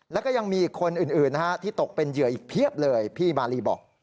แล้วก็ยังมีอีกคนอื่นนะฮะที่ตกเป็นเหยื่ออีกเพียบเลยพี่บารีบอก